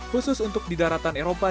khusus untuk di daratan eropa